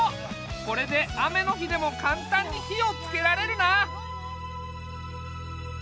これで雨の日でもかんたんに火をつけられるな！